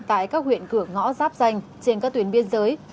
tại các huyện cửa ngõ giáp danh trên các tuyến biên giới